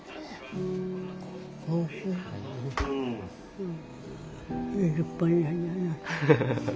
うん。